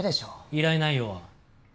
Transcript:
依頼内容は？